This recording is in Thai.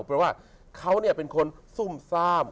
เพราะว่าเขาเป็นคนซุ่มซ่าม